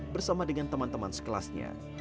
bersama dengan teman teman sekelasnya